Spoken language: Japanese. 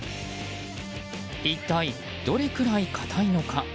一体どれぐらい硬いのか？